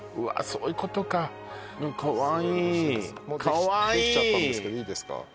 そういうことかかわいいもうできちゃったんですけどいいですか？